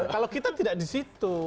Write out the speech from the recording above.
kalau kita tidak di situ